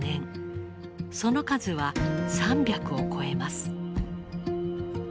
その数は３００を超えます。